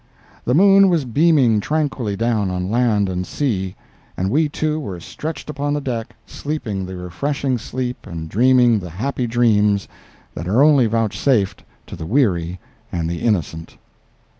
The moon was beaming tranquilly down on land and sea, and we two were stretched upon the deck sleeping the refreshing sleep and dreaming the happy dreams that are only vouchsafed to the weary and the innocent.